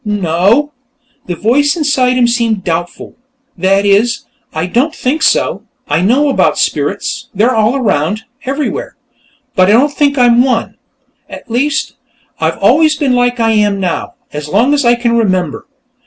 "N no." The voice inside him seemed doubtful. "That is, I don't think so. I know about spirits; they're all around, everywhere. But I don't think I'm one. At least, I've always been like I am now, as long as I can remember.